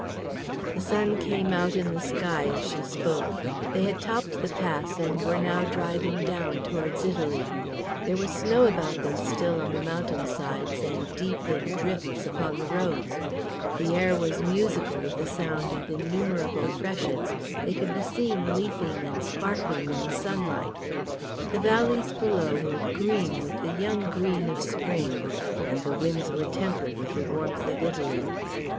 The sun came out in the sky as she spoke. They had topped the pass and were now driving down towards Italy. There was snow about them still on the mountain sides and deep in drifts upon the roads. The air was musical with the sound of innumerable freshets: they could be seen leaping and sparkling in the sunlight; the valleys below were green with the young green of spring, and the winds were tempered with the warmth of Italy.